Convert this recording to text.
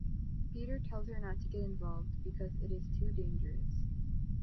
Peter tells her not to get involved because it is too dangerous.